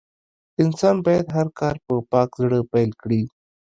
انسان بايد هر کار په پاک زړه پيل کړي.